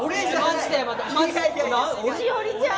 しおりちゃん！